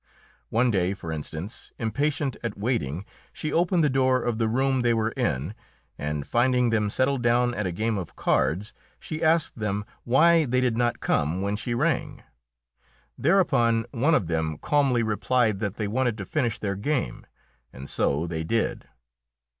One day, for instance, impatient at waiting, she opened the door of the room they were in, and, finding them settled down at a game of cards, she asked them why they did not come when she rang. Thereupon one of them calmly replied that they wanted to finish their game and so they did.